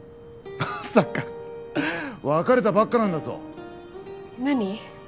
まさか別れたばっかなんだぞ何？